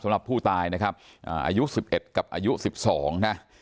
สำหรับผู้ตายนะครับอายุ๑๑กับอายุ๑๒นะ